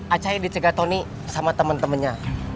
acah dicegah tony sama temen temennya